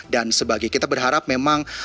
dan sebagai kita berharap memang